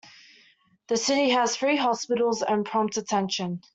The city has three hospitals and prompt attention.